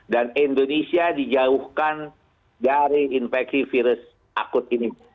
dan indonesia dijauhkan dari infeksi virus akut ini